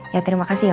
ya terima kasih ya pak